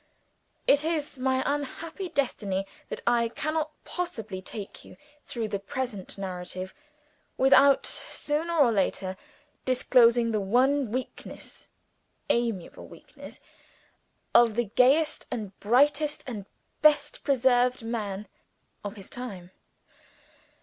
It is my unhappy destiny that I cannot possibly take you through the present narrative, without sooner or later disclosing the one weakness (amiable weakness) of the gayest and brightest and best preserved man of his time.